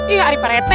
iya ari pak rete